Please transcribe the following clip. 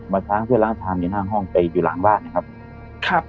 ค้างที่ร้านชามอยู่หน้าห้องไปอยู่หลังบ้านนะครับครับ